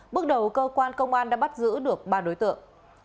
bước đầu cơ quan công an đã bắt giữ được ba đối tượng